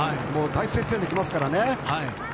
大接戦できますからね。